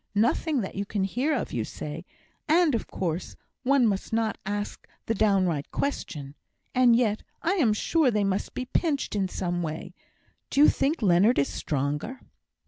Nothing that you can hear of, you say; and, of course, one must not ask the downright question. And yet I am sure they must be pinched in some way. Do you think Leonard is stronger?"